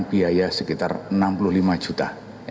biaya sekitar enam puluh lima juta